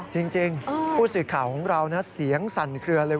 จริงผู้สื่อข่าวของเรานะเสียงสั่นเคลือเลย